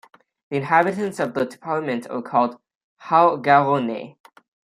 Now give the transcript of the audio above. The inhabitants of the department are called "Haut-Garonnais".